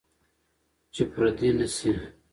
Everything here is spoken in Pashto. چې پردي نشئ.